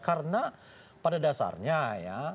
karena pada dasarnya ya